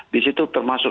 di situ termasuk